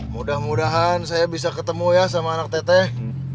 mudah mudahan saya bisa ketemu ya sama anak teteh